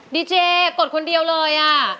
ดีเจกดคนเดียวเลยอ่ะ